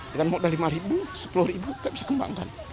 dan mau dari lima ribu sepuluh ribu kita bisa kembangkan